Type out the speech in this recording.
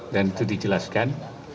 dan itu dijelaskan